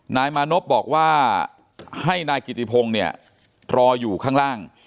นายมานพบอกว่าให้นายกิติพงศ์เนี่ยรออยู่ข้างล่าง